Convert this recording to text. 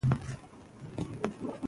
ما په ډاډه زړه ورته وویل چې ستړی یم.